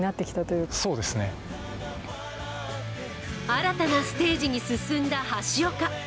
新たなステージに進んだ橋岡。